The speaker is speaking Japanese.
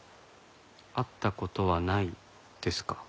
会った事はないですか？